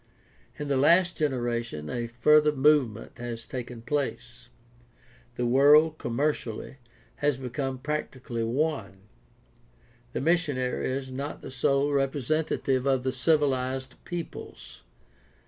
In the last generation a further movement has taken place. The world, commercially, has become practically one. The missionary is not the sole representative of the civilized peoples.